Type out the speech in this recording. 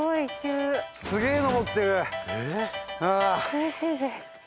苦しいぜ。